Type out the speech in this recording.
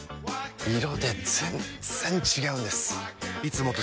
色で全然違うんです！